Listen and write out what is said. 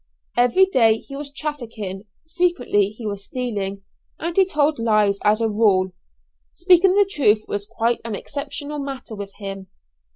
Every day he was trafficking, frequently he was stealing, and he told lies as a rule. Speaking the truth was quite an exceptional matter with him.